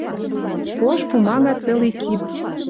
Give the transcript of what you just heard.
Ош пумага целый кип.